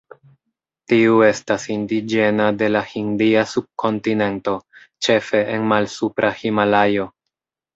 Tiu estas indiĝena de la Hindia subkontinento, ĉefe en Malsupra Himalajo.